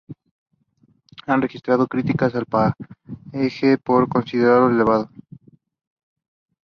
Se han registrado críticas al peaje por considerarlo elevado.